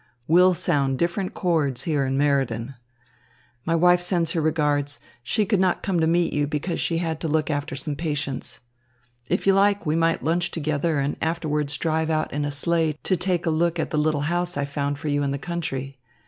We'll sound different chords here in Meriden. My wife sends her regards. She could not come to meet you because she had to look after some patients. If you like, we might lunch together and afterwards drive out in a sleigh to take a look at the little house I found for you in the country.